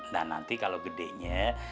dan nanti kalau gedenya